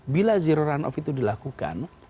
bila zero run off itu dilakukan